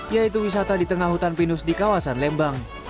yaitu wisata di tengah hutan pinus di kawasan lembang